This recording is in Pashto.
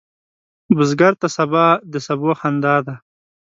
بزګر ته سبا د سبو خندا ده